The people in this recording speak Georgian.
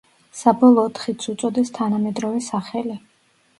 საბოლოოდ ხიდს უწოდეს თანამედროვე სახელი.